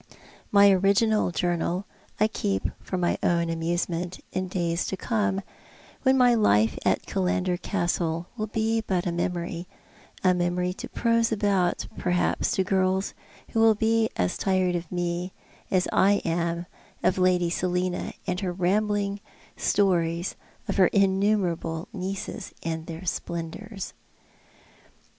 My original journal I keep for my own amuse ment in days to come, when my life at Killander Castle will be but a memory — a memory to prose about perhaj^s to girls who will be as tired of me as I am of Lady Selina and her rambling stories of her innumerable nieces and their splendours.